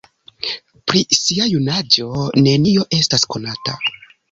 Pri sia junaĝo nenio estas konata.